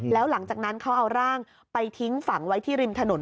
แล้วหลังจากนั้นเขาเอาร่างไปทิ้งฝังไว้ที่ริมถนน